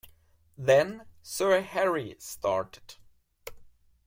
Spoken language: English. Then Sir Harry started.